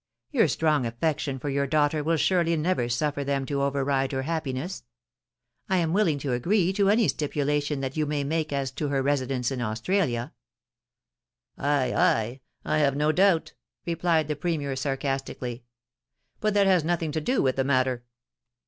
Your strong affection for your daughter will surely never suffer them to override her happiness. I am willing to agree to any stipu lation that you may make as to her residence in Australia. 'Ay, ay ! I have no doubt,' replied the Premier, sarcasti cally ;* but that has nothing to do with the matter.